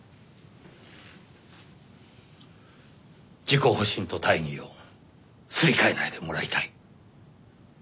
自己保身と大義をすり替えないでもらいたい。